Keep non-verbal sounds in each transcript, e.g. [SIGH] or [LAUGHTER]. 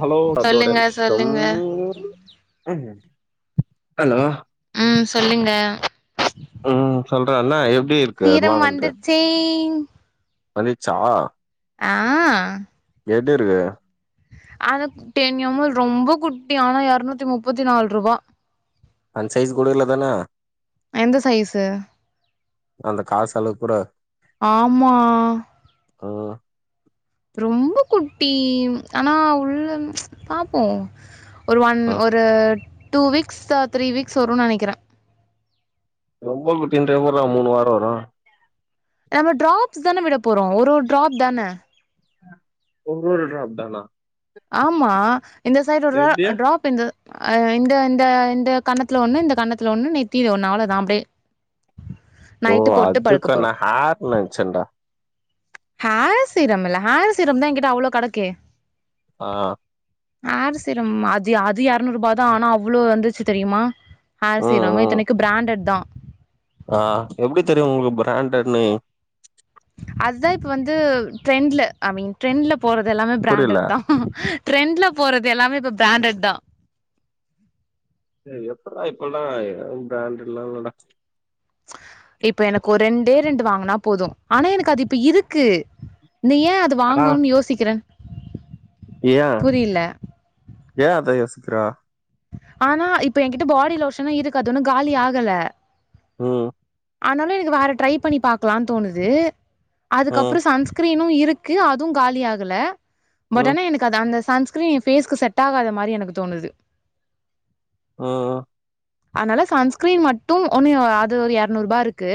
Hello அந்த ஒரு சொல்லுங்க நிம்ஷம் சொல்லுங்க ம் ஹலோ ம் சொல்லுங்க ம் சொல்றா என்னா எப்டி இருக்கு அது சீரம் வாங்கனது வந்துருச்சே வந்துச்சா ஆ எதுரு அது டென் எம் எல் ரொம்ப குட்டி ஆனா இரநூத்தி முப்பத்தி நால்ருபா அந்த சைஸ் கூட இல்ல தான எந்த சைஸு அந்த காசு அளவு கூட ஆமா ம் ரொம்ப குட்டி ஆனா உள்ள பாப்போ ஒரு ஒன் ம் ஒரு டூ வீக்ஸ் த்ரீ வீக்ஸ் வருன் நெனைக்கிற ரொம்ப குட்டியோன்ட்டு எப்புர்றா மூணு வார வரு நம்ம டிராப்ஸ் தான விட போறோ ஒரு ஒரு ட்ராப் தான ஒவ்வொரு ட்ராப் தானா ஆமா இந்த சைடு ஒரு எப்டி டிர ட்ராப் இந் இந்த இந்த இந்த கண்ணத்துல ஒண்ணு இந்த கண்ணத்துல ஒண்ணு நெத்தில ஒண்ணு அவ்ளோ தா அப்டியே ஓ நைட்டு போட்டு படுக்க அதுக்கன்னா போறோம் நா ஹார் நன்ச்சண்டா ஹார் சீரம் இல்ல ஹார் சீரம் தா என்கிட்ட அவ்ளோ கெடக்கே ஆ ஹார் சீரம் அது அது இரநூறுபா தா ஆனா அவ்ளோ வந்துச்சு தெரியுமா ஹார் ம் சீரம் ம் இத்தனைக்கு பிராண்ட்டட் தா ஆ எப்டி தெரியு உங்களுக்கு பிராண்ட்டட்ன்னு அதுதா இப்ப வந்து ட்ரெண்ட்ல ஐ மீன் ட்ரெண்ட்ல போறது எல்லாமே புரியல பிராண்ட்டட் தா ட்ரெண்ட்ல போறது எல்லாமே இப்ப பிராண்ட்டட் தா டே எப்புர்றா இப்பில்லா பிராண்ட்டட்லா இல்லடா இப்ப எனக்கு ஒரு ரெண்டே ரெண்டு வாங்குனா போது ஆனா எனக்கு அது இப்ப இருக்கு நீ ஏ அது ஆ வாங்கணுன் யோசிக்கிற ஏ ஏ அத யோசிக்கிற ஆனா இப்ப என்கிட்ட பாடி லோஷனா இருக்கு அது ஒன்னு காலி ஆகல ம் ஆனாலு இது வேற ட்ரை பண்ணி பாக்கலான் தோணுது ம் அதுக்கப்ற சன்ஸ் கிரீமு இருக்கு அதுவு காலியாகல பட் ம் ஆனா எனக் கு அந்த சன்ஸ்கிரீன் எ ஃபேஸ்க்கு செட் ஆகாத மாரி எனக்கு தோணுது ஓ அதனால சன்ஸ்கிரீன் மட்டு ஒன்னு அது ஒரு இருநூறுபா இருக்கு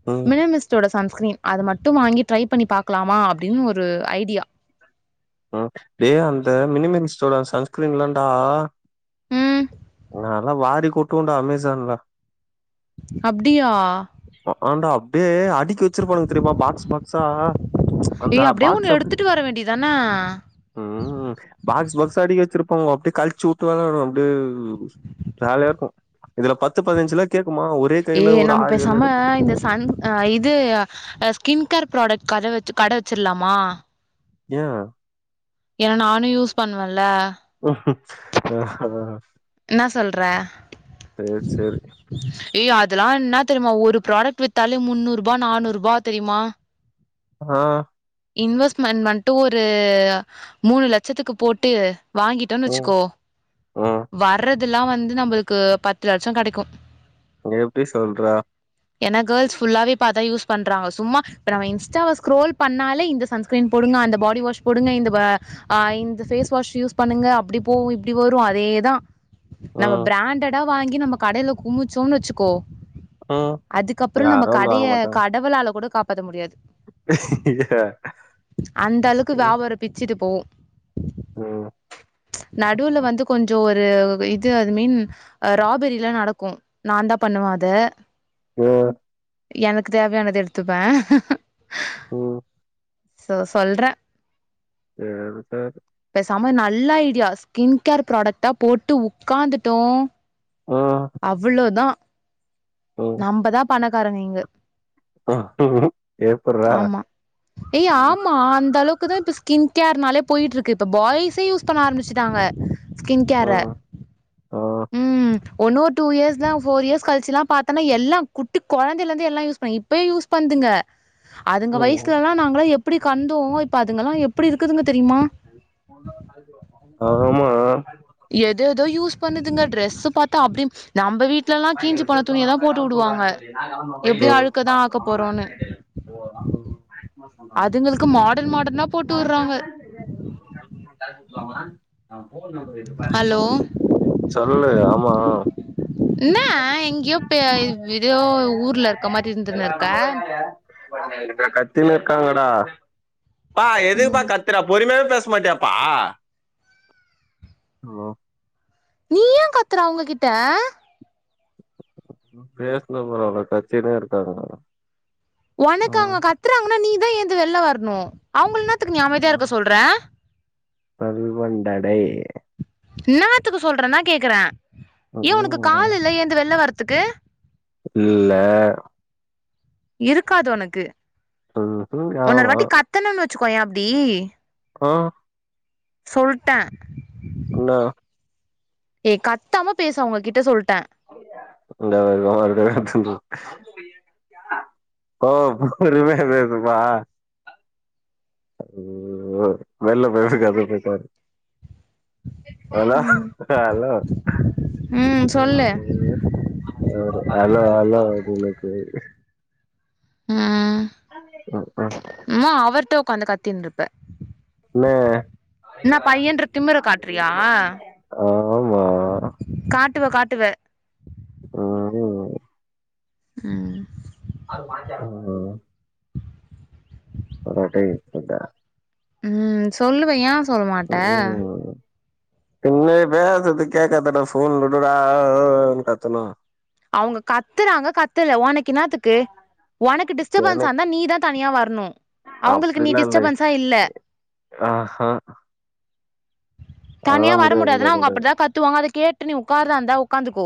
ம் மினிமிஸ்ட்டோட சன்ஸ்கிரீன் அது மட்டு வாங்கி ட்ரை பண்ணி பாக்கலாமா அப்டின் ஒரு ஐடியா ம் டே அந்த மினிமன்ஸ்டோட சன்ஸ்கிரீன் இல்லண்டா ம் நால்லா வாரி கொட்டுவண்டா அமேசான்ல அப்டியா அ ஆண்டா அப்டியே அடிக்கி வச்சிருப்பாங்க தெரியுமா பாக்ஸ் பாக்ஸா அந்த ஏய் அப்டியே பாக்ஸ் ஒன்னு அப்டி எடுத்துட்டு வர வேண்டியது தான ம் பாக்ஸ் பாக்ஸா அடிக்கி வச்சிருப்பாங்க அப்டியே கழிச்சு உட்டு விளாடுவே அப்டியே ஜாலியா இருக்கு இதுல பத்து பதினஞ்சுலா கேக்குமா ஒரே ஏ கைல ஒரு நம்ம ஆறு ஏழு பேசாம எடுப்ப இந்த சன் இது ஸ்கின் கேர் ப்ராடக்ட் கட வச்சு கடை வச்சிட்லாமா ஏ ஏனா நானு யூஸ் பண்ணுவேலே ஆஹ்ஹ [INAUDIBLE] இன்ன சொல்ற சேர் சேரி ஏ அதுலா இன்ன தெரியுமா ஒரு ப்ராடக்ட் வித்தாலே முன்னூறுபா நானூறுபா தெரியுமா ஆ இன்வெஸ்ட்மண் மட்டு ஒரு மூணு லட்சத்துக்கு போட்டு வாங்கிட்டோன் ம் வச்சுக்கோ ம் வர்றதுலா வந்து நம்புள்க்கு பத்து லட்ச கடைக்கு எப்டி சொல்றா ஏன்னா கேள்ஸ் ஃபுல்லாவே இப்ப அதா யூஸ் பண்றாங்க சும்மா இப்ப நம்ம இன்ஸ்டாவ ஸ்கோர்ல் பண்ணாலே இல்ல இந்த சன்ஸ்கிரீன் போடுங்க அந்த பாடி வாஷ் போடுங்க இந்த வ ஆ இந்த ஃபேஸ் வாஷ் யூஸ் பண்ணுங்க அப்டி போவு இப்டி வரு அதே தா நம்ம ம் பிராண்டடா வாங்கி நம்ம கடையில குமிச்சோன் வெச்சுக்கோ ம் அதுக்கப்புற நம்ம யாரு வந்து கடைய வாங்க மாட்டாங்க கடவுளால கூட காப்பாத்த முடியாது அந்த அளுக்கு வியாபார பிச்சுட்டு போவு ம் நடுவுல வந்து கொஞ்சோ ஒரு இது அது மீன் ராபெரிலா நடக்கு நாந்தா பண்ணுவ அத ஒ எனக்கு தேவையானது எடுத்துப்பே ம் சோ சொல்ற ஏத பேசாம நல்ல ஐடியா ஸ்கின் கேர் ப்ராடக்ட்டா போட்டு உக்காந்துட்டோ அவ்ளோதா நம்ப தா பணக்காரங்க இங்க எப்பிட்றா மா அந்தளவுக்கு தா இப்ப ஸ்கின் கேர்னாலே போயிட்ருக்கு இப்ப பாய்ஸே யூஸ் பண்ண ஆரம்பிச்சுட்டாங்க ஸ்கின் கேர ஆ ஆ ஒன்னோர் டூ இயர்ஸ்த ஃபோர் இயர்ஸ் கழ்ச்சுல பாத்தன எல்லா குட்டி கொழந்திலந்து எல்லா யூஸ் பண்ணி இப்பயே யூஸ் பண்துங்க அதுங்க வயசுலலா நாங்கள எப்டி கண்ட்தோ இப்ப அதுங்கலா எப் அப்டி இருக்குதுங்க தெரியுமா ஆமா எதேதோ யூஸ் பண்ணுதுங்க டிரெஸ்ஸு பாத்தா அப்டி நம்ப வீட்லலா கீஞ்சி போன துணிய தா போட்டு வுடுவாங்க எப்டியு அழுக்க தா ஆக்க போறோனு ஓ அது உண்ம அதுங்களுக்கு மாடர்ன் மாடர்னா போட்டு வுற்றாங்க ஹலோ [UNINTELLIGIBLE] சொல்லு ஆமா இன்னா எங்கியோ பே இதோ ஊர்ல இருக்க மாரி இர்ந்துனு இருக்க கத்தினு இருக்காங்கடா பா ஓ நீ ஏ கத்ற அவுங்ககிட்ட பேசினு போறவங்க கத்தினே இருக்காங்க ஒனக்கு ம் அங்க கத்தறாங்கன்னா நீதா ஏந்து வெளில வரணு அவுங்க என்னாத்துக்கு நீ அமைதியா இருக்க ம் சொல்ற சொல்வன் டா டேய் இன்னாதுக்கு சொல்றனா கேக்கற ஏ உனக்கு கால் ம் இல்ல ஏந்து வெள்ள வரதுக்கு இல்ல இருக்காது உனக்கு ம்ஹூம் உன்னொரு ஆமா வாட்டி கத்தணுன் வச்சுக்கோயே அப்டி ஆ சொல்ட்ட என்ன ஏ கத்தாம பேசு அவங்ககிட்ட சொல்ட்ட [UNINTELLIGIBLE] ஓ பொறுமையா பேசு பா ஓ வெள்ல [UNINTELLIGIBLE] போய் பரு ஹலோ ம் ஹலோ ம் சொல்லு ம் அ அலோ அலோ அது உனக்கு அ ம்ம் உம்மா அவர்ட்ட ஒக்காந்து கத்தின்ருப்ப ந என்ன பையன்ற திமிர காட்றியா ஆமா காட்டுவ காட்டுவ ம் ம் போடா டேய் போடா ம் சொல்லு ஏ சொல்ல மாட்ட ம் பின்ன பேசறத கேக்கதட்ட போன் [UNINTELLIGIBLE] கத்தணு அவங்க கத்தறாங்க கத்தல ஒனக்கு என்னாத்துக்கு ஒனக்கு டிஸ்டபன்ஸ்ஸ ஆ எனக்கு இருந்தா நீ தா தனியா வரணு அவுங்களுக்கு நீ அப்டிலா இல்ல டிஸ்டர்பன்ஸா இல்ல ஆஹா தனியா அதெல்லா வர முடியாது முடியாதுன்னா முடியாது அவுங்க முடியாது அப்படி தா கத்துவாங்க அத கேட்டு நீ உக்காரதாந்தா உக்காந்துக்கோ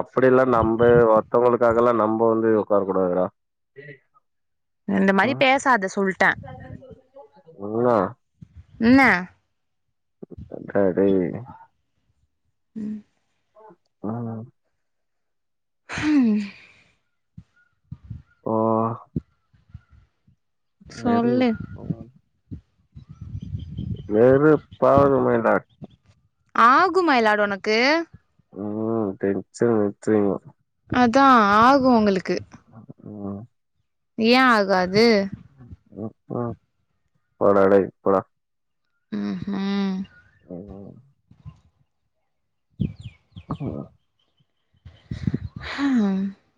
அப்படிலா நம்ப ஒருத்தவங்களுக்காகலா நம்ப வந்து ஒக்கார கூடாதுடா இந்த மாரி பேசாத சொல்ட்டே நல்லா ன்ன கடே ம் ம் ம் ஓ வெறு சொல்லு [INAUDIBLE] [UNINTELLIGIBLE] ஆகு மை லாட் உனக்கு ம் டென்ஷன் ஏத்ரிங்கோ அதா ஆகு உங்களுக்கு ம் ஏ ஆகாது ம்ம் போடா டேய் போடா ம்ம் ம் அஹா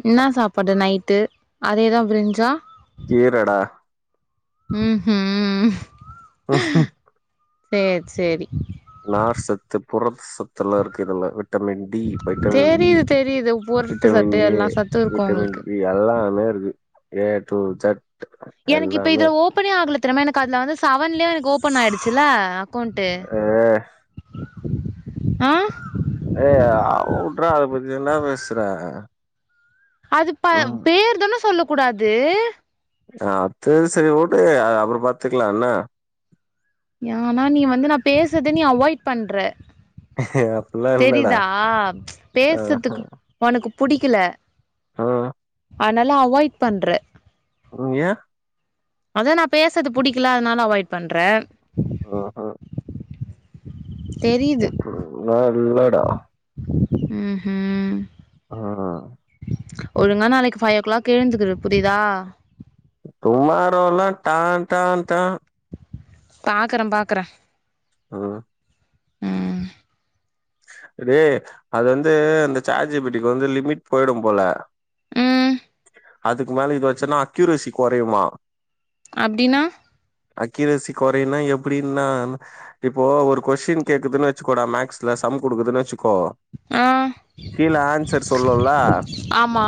என்ன சாப்பாடு நைட்டு அதேதா பிரிஞ்சா கீரடா ம்ஹும் ஓ சேர் சேரி நார்சத்து புரசத்தெல்லா இருக்கு இதுல விட்டமின் டி வைட்டமின் இ தெரியுது தெரியுது போட்டுட்டு விட்டமின் சத்து ஏ எல்லா சத்து இருக்கு விட்டமின் உங்களுக்கு பி எல்லாமே இருக்கு ஏ டூ ஜட் எனக்கு இப்ப எல்லாமே இதுல ஓப்பனே ஆகல த்திரமா எனக்கு அதுல வந்து செவன்லே எனக்கு ஓபன் ஆயிடுச்சில்ல அக்கௌண்ட்டு ஏ ஆ ஏ அ வுட்றா அத பத்தி என்னா பேசுற அது ப ம் பேர்தான சொல்ல கூடாது அ செரி செரி உடு அப்புறோ பாத்துக்லா என்ன யானா நீ வந்து நா பேசற்த நீ அவாய்ட் பண்ற அப்டிலா இல்லடா தெரிதா ஆஹ பேசறதுக்கு உனக்கு புடிக்கல ஆ அனால அவாய்ட் பண்ற ருன் யே அதா நா பேசறது புடிக்கல அதனால அவாய்ட் பண்ற ஹு ஹு தெரியுது அப்புல்லா இல்லடா ஊம் ஊம் ஆ ஒழுங்கா நாளைக்கு ஃபைவ் ஓ கிளாக் எழுந்துக்குரு புரியுதா டுமாரோல்லா டான் டான் டா பாக்கற பாக்கற ம் ம் டே அது வந்து இந்த சாட்ஜி பிடிக்கு வந்து லிமிட் போயிடும் போல ம் அதுக்கு மேல இதுவச்சுனா அக்யூரசி கொறையுமா அப்டினா அக்யூரசி கொறைன்னா எப்டின்னா இப்போ ஒரு கொஸின் கேக்குதுன்னு வெச்சுக்கோடா மேக்ஸ் ல சம் குடுக்குதுன்னு வெச்சுக்கோ ஆ கீழ ஆன்சர் சொல்லுல்ல ஆமா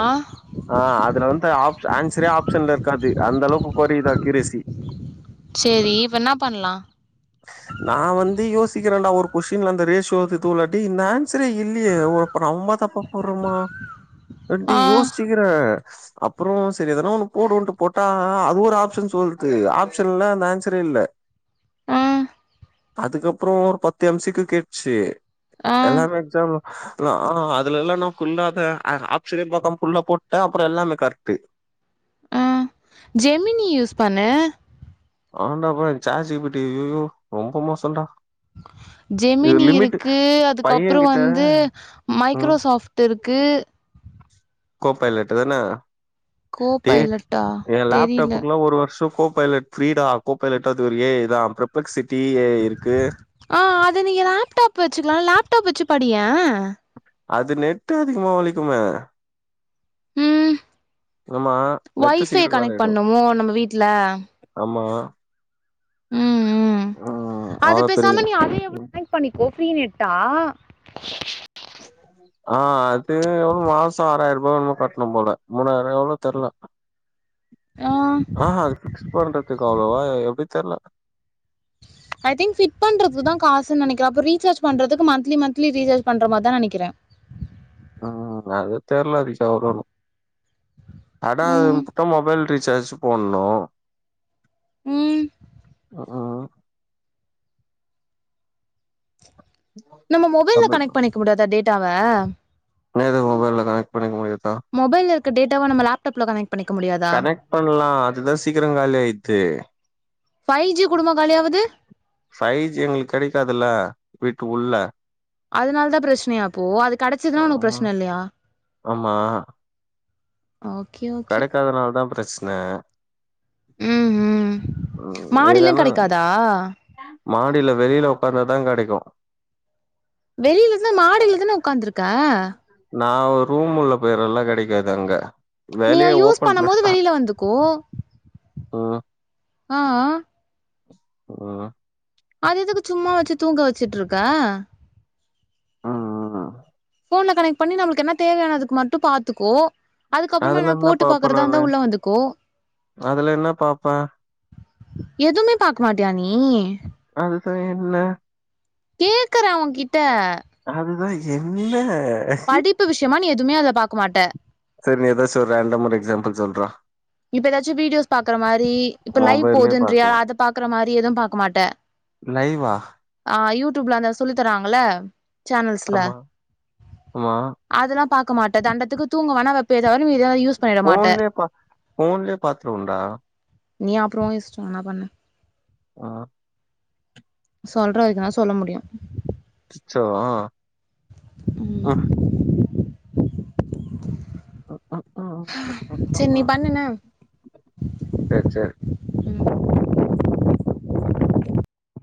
ஆ அதுல வந்து ஆப் ஆன்சரே ஆப்ஷன்ல இருக்காது அந்த அளவுக்கு கொறையிது அக்யூரசி செரி இப்ப ன்னா பண்லா நா வந்து யோசிக்கிறேன்டா ஒரு கொஷின்ல அந்த ரேஷியோ துலாட்டி இந்த ஆன்சரே இல்லையே ஒரு நம்ம தப்ப போற்மா அன்ட்டி ஆ யோஸ்ச்சி க்கிற அப்புறோ செரி எதனா ஒண்ணு போடுவோன்ட்டு போட்டா அது ஒரு ஆப்ஷன் சொல்து ஆப்ஷன்ல அந்த ஆன்சரே இல்ல ஆ அதுக்கப்புறோ ஒரு பத்து எம் சிக்கு கேட்ச்சி ஆ எல்லாமே எக்ஸாம்ல அஹா அதுல இல்லானா குல்லாத ஆப்ஷனே பாக்காம புல்லா போட்டே அப்புரோ எல்லாமே கர்ட்டு அ ஜெமினி யூஸ் பண்ணு அஹான் டா பா சாட் ஜி பி டி ஐய்யய்யோ ரொம்போ மோசன் டா ஜெமினி இருக்கு அதுக்கப்புறோ பையங்கிட்ட வந்து ம் மைக்ரோசாஃப்ட்டு இருக்கு கோ பைலட்டு தான கோ டி பைலட்டா என் தெரில. லேப்டாப்புக்குல்லா ஒரு வருஷோ கோ பைலட் ப்ரீடா கோப்பைலட்டது ஒரு ஏ ஐ தா பிரப்பக்சிட்டி ஏ ஐ இருக்கு ஆ அது நீயே லேப்டாப் வெச்சிக்லா லேப்டாப் வெச்சி படியே அது நெட்டு அதிகமா வலிக்குமே ம் ஆம்மா நெட்டு ஒய்ஃபை சீக்கிரோ காலி கனெக்ட் ஆய்டோ பண்ணுமோ நம்ம வீட்ல. ஆம்மா ம் ம் ம் அது அவ்ளோ பெரியோ பேசாம நீ அத இன்சிடென்ட் எவ்ளோ கனெக்ட் பண்ணிக்கோ ஃப்ரீ நெட்டா ஆ அத்து எவ்ளோ மாசோ ஆறாயிருபாவோ இன்னமோ கட்ணு போல மூணாயிருமோ எவ்ளோ தெர்ல ஆ ஆ அ அது பிக்ஸ் பண்றதுக்காகவா எப்டி தெர்ல ஐ திங்க் ஃபிட் பண்றத்துதா காசுன் நெனைக்கிற அப்ப ரீசார்ஜ் பண்றதுக்கு மந்த்லி மந்த்லி ரீசார்ஜ் பண்ற மாரிதா நனைக்கிற ம் அது தெர்லது நீ சொல்றனு அதா ம் உன் கிட்ட மொபைல் டீசார்ஜ்ஜூ போன்னோ ம் ம் ம் நம்ம மொபைல்லா டபுள் கனெக்ட் பண்ணிக்க முடியாதா டேட்டாவ நேத்துக் மொபைல்ல கனெக்ட் பண்ணிக்கினு மொபைல்லா இருக்க டேட்டாவ நம்ம லேப்டாப்லா கனெக்ட் பண்ணிக்க முடியாத கனெக்ட் பண்லா அதுதா சீக்கிரோ காலி ஆய்யிது ஃபைவ் ஜி குடும்மா காலியாவுது ஃபைவ் ஜி இவுங்ளுக் கெடைக்காதுல்ல வீட்டு உள்ள அதுனால தா பிரச்சனையா இப்போ அது கடச்சதுன்னா உனக்கு ஆமா பிரச்சன இல்லயா ஆமா கடைக்காதனால தா பிரச்சனா ம் ம் மாடியிலு கடைக்காதா மாடியில வெளில உக்காந்தா தா கடைக்கோ வெளில ஈசியா மாடியில தான உக்காந்திருக்க நா ஒரு ரூம் உள்ள போயிரல்ல கிடைக்காது அங்க நீ அத வெளிய யூஸ் ஓப்பன் பண்ணும் பிளேஸ் மோது வெளில வந்துக்கோ அ அ அ அது எதுக்கு சும்மா வெச்சி தூங்க வெச்சிட்ருக்க ம் ம் ஃபோன்ல கனெக்ட் பண்ணி நமக்கு என்ன தேவயானதுக்கு மட்டு பாத்துக்கோ அதுக்கப்புறமா எதுனா அதுல என்ன போட்டு பாப்பே பாக்குறாதாயிருந்தா நானு உள்ள வந்துக்கோ பாப்போ எதுமே பாக்க மாட்டியா நீ அது செரி இல்ல கேக்குற உன் கிட்ட அதுதா என்னெயே படிப்பு விஷையமா நீ எதுவுமே அதுல பாக்க மாட்ட செர் நீ எதாச்சு ஒரு ரேண்டம்மா ஒரு எக்ஸாம்பிள் சொல்றா இப்ப எதாச்சு வீடியோஸ் பாக்குற மாரி இப்ப லைவ் மொபைல்லயே போதுன்றியா பாக்கலா அத பாக்குற மாரி எதுவு பாக்க மாட்ட லைவ்வா ஆ யூட்டூப்ல அங்க சொல்லி தரவாங்ள சேனல்ஸ்ல ஆமா ஆமா அதெல்லாம் பாக்க மாட்டே தண்டக்கு தூங்கவே ஆனா வெப்பேஜ் தவிர யூஸ் பண்ணிட மாட்ட ஃபோன்லயே பா ஃபோன்லே பாத்ருவேண்டா நீ அப்புறம் உன் இஷ்டம் என்ன பண்ண ஆ சொல்ற வரைக்கும் தான் சொல்ல முடியும் அச்சச்சோ ஆமா சரி நீ பண்ணு என்ன சரி சரி